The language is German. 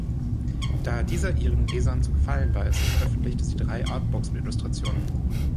Da dieser ihren Lesern zu gefallen weiß, veröffentlichte sie drei Artbooks mit Illustrationen.